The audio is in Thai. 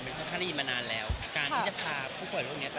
ค่อนข้างได้ยินมานานแล้วการที่จะพาผู้ป่วยโรคนี้